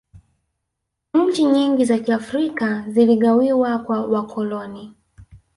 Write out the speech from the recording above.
nchi nyingi za kiafrika ziligawiwa kwa wakoloni